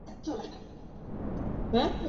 合并移转英皇文化发展有限公司。